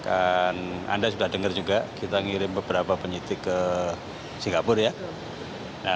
anda sudah dengar juga kita ngirim beberapa penyidik ke singapura ya